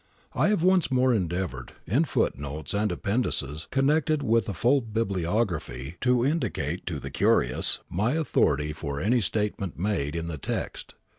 I have once more endeavoured, in footnotes and ap pendices connected with a full bibliography, to indicate to the curious my authority for any statement made in the text.